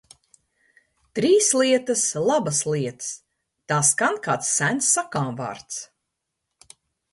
Trīs lietas labas lietas, tā skan kāds sens sakāmvārds.